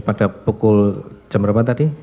pada pukul jam berapa tadi